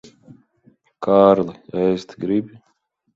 Kārli, ēst gribi?